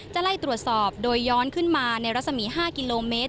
ไล่ตรวจสอบโดยย้อนขึ้นมาในรัศมี๕กิโลเมตร